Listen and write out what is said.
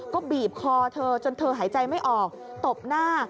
ก็บีบคอเธอจนเธอหายใจไม่ออกตบหน้า